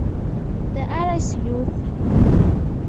The other is youth.